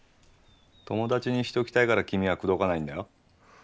友達にしときたいから君は口説かないんだよ。